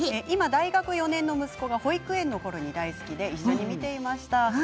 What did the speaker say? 今大学４年の息子が保育園のころに大好きで一緒に見ていました。